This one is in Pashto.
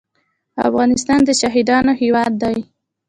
افغانستان د شهیدانو هیواد دی